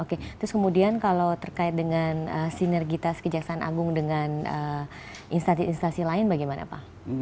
oke terus kemudian kalau terkait dengan sinergitas kejaksaan agung dengan instansi instansi lain bagaimana pak